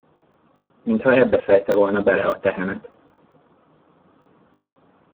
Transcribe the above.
Mintha ebbe fejte volna bele a tehenet.